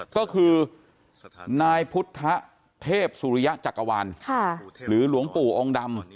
ก็คือนายพุทธเทพสุริยะจักรวาลหรือหลวงปู่องค์ดำ